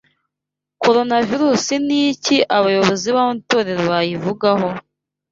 Coronavirusi niki abayobozi b’amatorero bayivugaho?